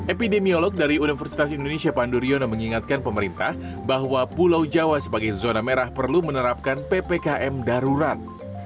epidemiolog dari universitas indonesia pandu riono mengingatkan pemerintah bahwa pulau jawa sebagai zona merah perlu menerapkan ppkm darurat